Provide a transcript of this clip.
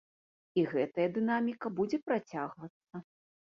І гэтая дынаміка будзе працягвацца.